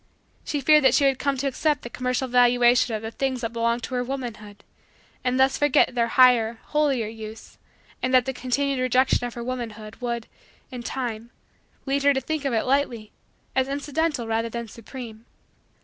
She feared that she would come to accept the commercial valuation of the things that belonged to her womanhood and thus forget their higher, holier, use and that the continued rejection of her womanhood would, in time, lead her to think of it lightly, as incidental rather than supreme.